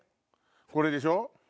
これでしょ。